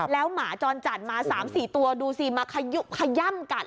แล้วหมาจรจัดมา๓๔ตัวดูสิมาขย่ำกัด